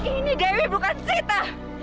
ini dewi bukan sita